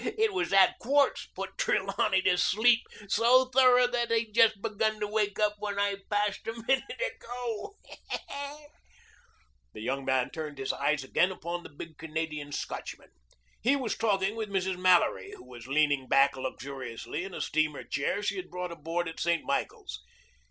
It was that quartz put Trelawney to sleep so thorough that he'd just begun to wake up when I passed a minute ago." The young man turned his eyes again upon the big Canadian Scotchman. He was talking with Mrs. Mallory, who was leaning back luxuriously in a steamer chair she had brought aboard at St. Michael's.